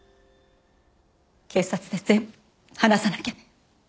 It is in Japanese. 警察で全部話さなきゃね。